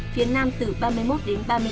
phía nam từ ba mươi một đến hai mươi bốn độ